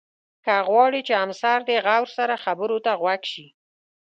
که غواړې چې همسر دې غور سره خبرو ته غوږ شي.